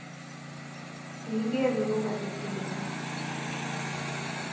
Kigeere ku konetindenyo